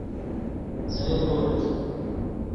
څیمی خوڑیت